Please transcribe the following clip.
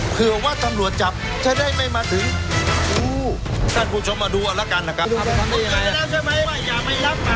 เผื่อว่าตำรวจจับจะได้ไม่มาถึงท่านผู้ชมมาดูเอาละกันนะครับ